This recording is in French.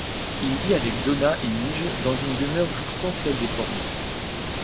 Il vit avec Donna et Midge dans une demeure jouxtant celle des Forman.